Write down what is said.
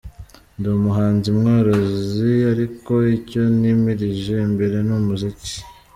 Ndi umuhinzi mworozi ariko icyo nimirije imbere ni umuziki.